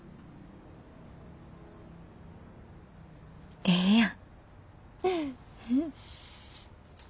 ええやん。